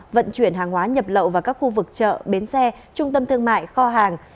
vận chuyển hàng hóa nhập lậu vào các khu vực chợ bến xe trung tâm thương mại kho hàng